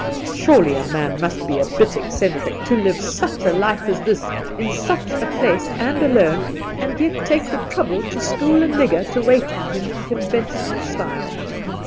Surely a man must be a bit eccentric 22 The Outspan to live such a life as this in such a place a;nd alone, and yet take the trouble to school a nigger to wait on him in conventional style.